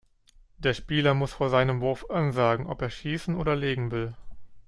Der Spieler muss vor seinem Wurf ansagen, ob er Schießen oder Legen wird.